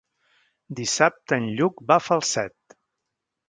Dissabte en Lluc va a Falset.